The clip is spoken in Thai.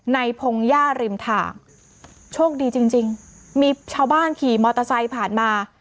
พงหญ้าริมทางโชคดีจริงจริงมีชาวบ้านขี่มอเตอร์ไซค์ผ่านมา